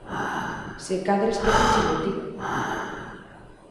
Se cadra esquecíchelo ti.